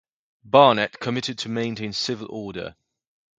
Barnett committed to maintain civil order.